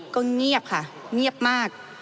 ก็เงียบค่ะเงียบมาก